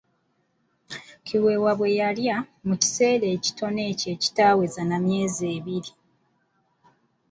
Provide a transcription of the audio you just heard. Kiweewa bwe yalya, mu kiseera ekitono ekyo ekitaaweza na myezi ebiri.